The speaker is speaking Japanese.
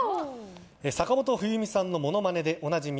坂本冬美さんのモノマネでおなじみ